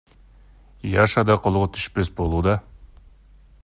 Яша да колго түшпөс болууда.